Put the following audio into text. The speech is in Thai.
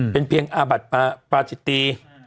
เป็นเพียงอาบัติปาจิตี